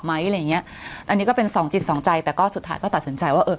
อันนี้ก็เป็นสองจิตสองใจแต่ก็สุดท้ายก็ตัดสินใจว่า